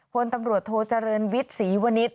พลตำรวจโทเจริญวิทย์ศรีวณิษฐ